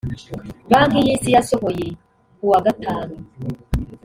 Banki y’Isi yasohoye kuwa gatanu